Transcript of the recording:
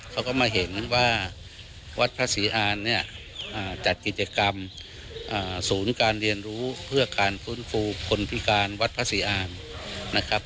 เขาก็มาเห็นว่าวัดพระศรีอานเนี่ยจัดกิจกรรมศูนย์การเรียนรู้เพื่อการฟื้นฟูคนพิการวัดพระศรีอามนะครับ